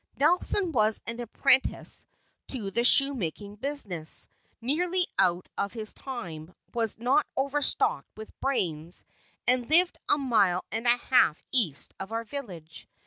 Nelson was an apprentice to the shoe making business, nearly out of his time, was not over stocked with brains, and lived a mile and a half east of our village.